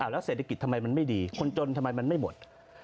แล้วเศรษฐกิจทำไมมันไม่ดีคนจนทำไมมันไม่หมด